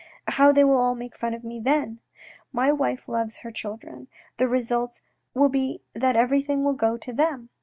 And how they will all make fun of me then ! My wife loves her children, the result will be that everything will go to them.